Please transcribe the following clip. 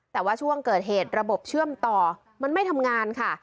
แต่ว่าช่วงเกิดเหตุระบบเชื่อมต่อมันไม่ทำงานค่ะ